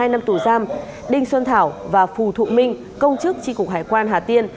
hai năm tù giam đinh xuân thảo và phù thụ minh công chức tri cục hải quan hà tiên